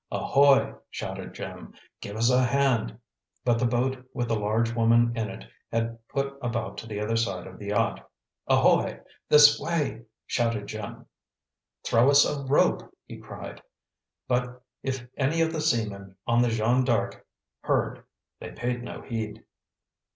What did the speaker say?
"Ahoy!" shouted Jim. "Give us a hand!" But the boat with the large woman in it had put about to the other side of the yacht. "Ahoy! This way!" shouted Jim. "Throw us a rope!" he cried; but if any of the seamen of the Jeanne D'Arc heard, they paid no heed.